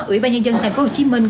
ủy ban nhà dân thành phố hồ chí minh